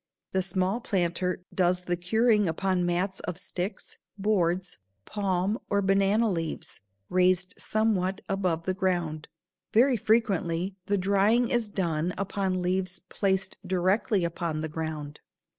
The small planter does the curing upon mats of sticks, boards, palm or banana leaves raised somewhat above the ground. Very frequently the drying is done upon leaves placed directly upon the ground.